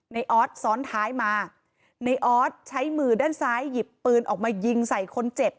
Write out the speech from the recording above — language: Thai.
ออสซ้อนท้ายมาในออสใช้มือด้านซ้ายหยิบปืนออกมายิงใส่คนเจ็บ